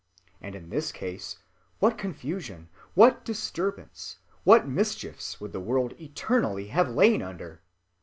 And in this Case, what Confusion, what Disturbance, what Mischiefs would the world eternally have lain under!